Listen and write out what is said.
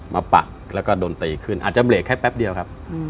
ปักแล้วก็โดนตีขึ้นอาจจะเบรกแค่แป๊บเดียวครับ